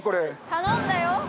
頼んだよ！